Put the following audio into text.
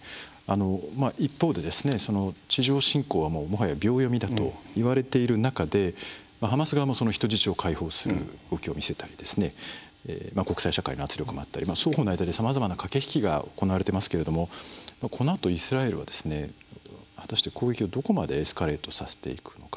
一方で、地上侵攻はもはや秒読みだといわれている中でハマス側も人質を解放する動きを見せたり国際社会の圧力もあったり双方の間で、さまざまな駆け引きが行われていますがこのあとイスラエルは果たして攻撃をどこまでエスカレートさせていくのか。